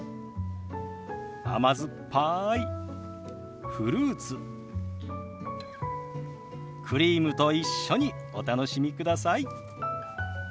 甘酸っぱいフルーツクリームと一緒にお楽しみください。